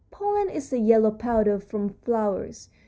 Pollen is the yellow powder from flowers.